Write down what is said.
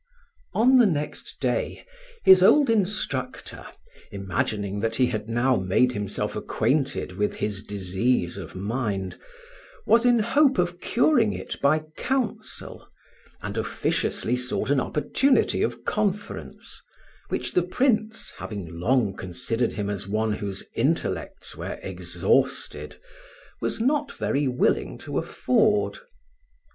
ON the next day, his old instructor, imagining that he had now made himself acquainted with his disease of mind, was in hope of curing it by counsel, and officiously sought an opportunity of conference, which the Prince, having long considered him as one whose intellects were exhausted, was not very willing to afford.